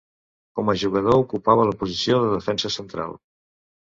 Com a jugador ocupava la posició de defensa central.